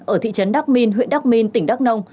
ở thị trấn đắk minh huyện đắk minh tỉnh đắk nông